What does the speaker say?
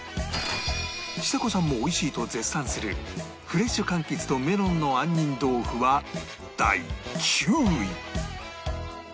ちさ子さんも美味しいと絶賛するフレッシュ柑橘とメロンの杏仁豆腐は第９位